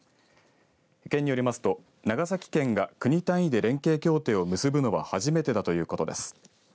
県によりますと長崎県が国単位で連携協定を結ぶのは初めてだということです。